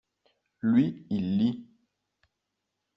Lui, il lit.